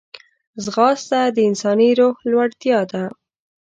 ځغاسته د انساني روح لوړتیا ده